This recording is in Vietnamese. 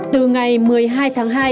từ ngày một mươi hai tháng hai